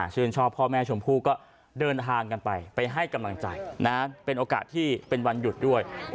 ชื่นชอบพ่อแม่ชมพู่ก็เดินทางกันไปไปให้กำลังใจนะเป็นโอกาสที่เป็นวันหยุดด้วย